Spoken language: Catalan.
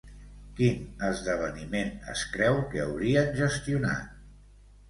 Quin esdeveniment es creu que haurien gestionat?